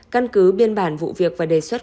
căn cứ biên bản vụ việc và đề xuất